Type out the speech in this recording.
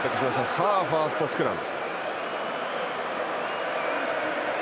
さあ、ファーストスクラム。